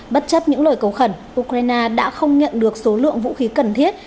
bất chấp những lời cầu khẩn ukraine đã không nhận được số lượng vũ khí cần thiết